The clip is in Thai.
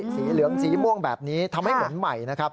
สีเหลืองสีม่วงแบบนี้ทำให้เหมือนใหม่นะครับ